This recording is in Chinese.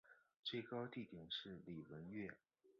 最高地点是礼文岳。